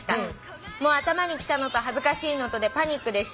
「頭にきたのと恥ずかしいのとでパニックでした」